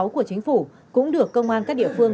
của chính phủ cũng được công an các địa phương